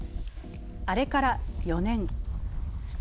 あれから４年。